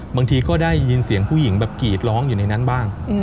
บางทีก็ได้ยินเสียงผู้หญิงแบบกรีดร้องอยู่ในนั้นบ้าง